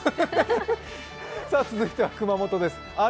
続いては熊本です。